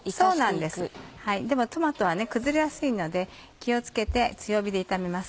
でもトマトは崩れやすいので気を付けて強火で炒めます。